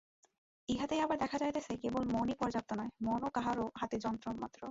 ইহাতেই আবার দেখা যাইতেছে, কেবল মনই পর্যাপ্ত নয়, মনও কাহারও হাতে যন্ত্রমাত্র।